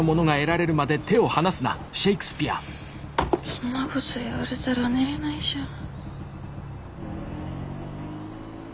そんなこと言われたら寝れないじゃん。